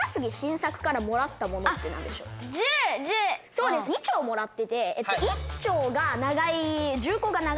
そうです２丁もらってて。